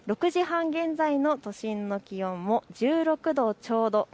６時半現在の都心の気温も１６度ちょうど。